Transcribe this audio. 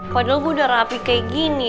padahal gue udah rapi kayak gini